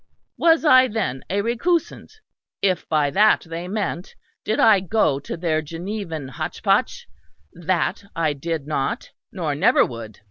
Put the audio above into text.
Was I then a recusant? If by that they meant, Did I go to their Genevan Hotch Potch? That I did not nor never would.